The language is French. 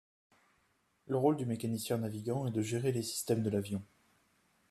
Le rôle du mécanicien navigant est de gérer les systèmes de l'avion.